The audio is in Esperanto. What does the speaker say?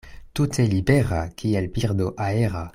Tute libera, kiel birdo aera.